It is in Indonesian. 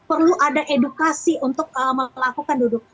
ini perlu ada edukasi untuk melakukan